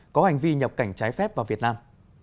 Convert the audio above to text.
có hành vi nhập cảnh trái phép vào việt nam